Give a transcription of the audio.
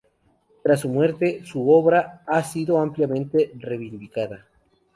Tras su muerte, su obra ha sido ampliamente reivindicada.